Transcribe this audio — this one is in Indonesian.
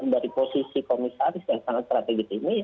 dari posisi komisaris yang sangat strategis ini ya harus ditempatkan